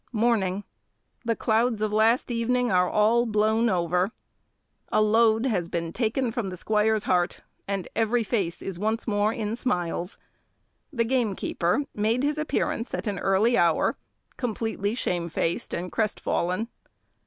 Morning. The clouds of last evening are all blown over. A load has been taken from the squire's heart, and every face is once more in smiles. The gamekeeper made his appearance at an early hour, completely shamefaced and crestfallen.